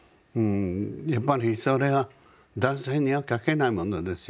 やっぱりそれは男性には書けないものですよ。